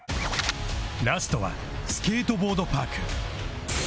ラストはスケートボードパーク